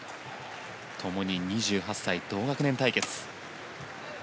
共に２８歳、同学年対決。